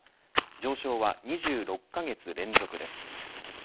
上昇は２６カ月連続です。